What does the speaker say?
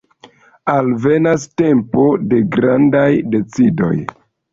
Alvenas tempo de grandaj decidoj.